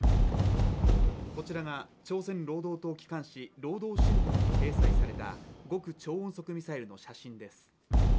こちらが朝鮮労働党機関紙「労働新聞」に掲載された極超音速ミサイルの写真です